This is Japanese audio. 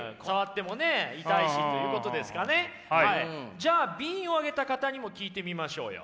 じゃあＢをあげた方にも聞いてみましょうよ。